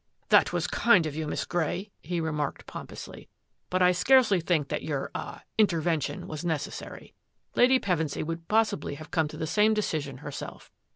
" That was kind of you. Miss Grey," he re marked pompously, " but I scarcely think that your — ah — intervention was necessary. Lady Pevensy would possibly have come to the same de cision herself."